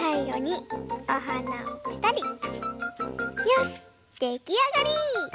よしできあがり！